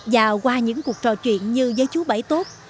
và qua những cuộc trò chuyện như với chú bảy tốt